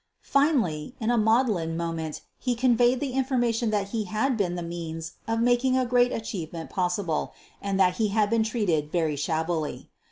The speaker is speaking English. Finally, in a maudlin moment he conveyed the information that he had been the means of making a great achievement possible and that he had been treated very shabbily.